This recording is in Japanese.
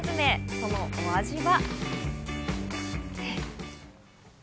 そのお味は？